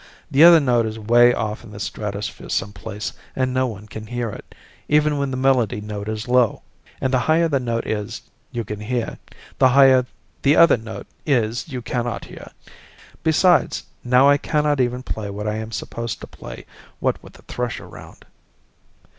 "The other note is way off in the stratosphere someplace and no one can hear it, even when the melody note is low. And the higher the note is you can hear, the higher the other note is you cannot hear. Besides, now I cannot even play what I am supposed to play, what with the thrush around."